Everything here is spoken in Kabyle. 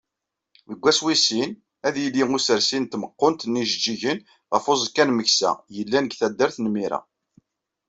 Deg wass wis sin, ad yili usersi n tmeqqunt n yijeǧǧigen ɣef uẓekka n Meksa, yellan deg taddart n Mira.